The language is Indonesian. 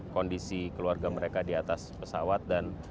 kondisi keluarga mereka di atas pesawat dan